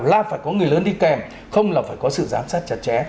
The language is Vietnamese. là phải có người lớn đi kèm không là phải có sự giám sát chặt chẽ